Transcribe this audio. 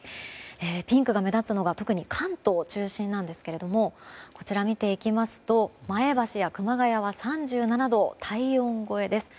ピンクが目立つのが特に関東中心なんですが見ていきますと前橋や熊谷は３７度体温超えです。